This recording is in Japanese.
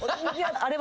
あれは。